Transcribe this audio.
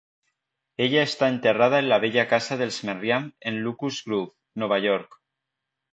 Ella està enterrada en la vella casa dels Merriam en Locust Grove, Nova York.